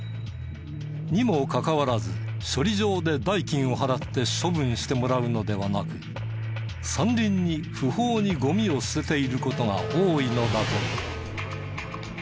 にもかかわらず処理場で代金を払って処分してもらうのではなく山林に不法にゴミを捨てている事が多いのだという。